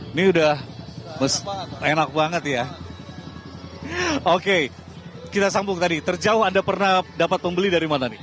ini udah enak banget ya oke kita sambung tadi terjauh anda pernah dapat membeli dari mana nih